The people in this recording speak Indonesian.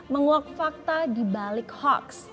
menguak fakta dibalik hoax